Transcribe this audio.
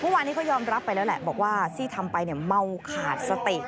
เมื่อวานนี้ก็ยอมรับไปแล้วแหละบอกว่าที่ทำไปเนี่ยเมาขาดสติ